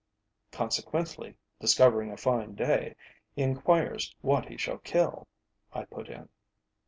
"Consequently, discovering a fine day, he enquires what he shall kill," I put in.